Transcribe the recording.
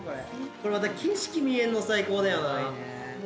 これまた景色見えんの最高だよな。